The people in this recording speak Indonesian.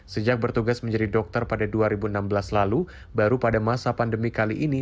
sejak bertugas menjadi dokter pada dua ribu enam belas lalu baru pada masa pandemi kali ini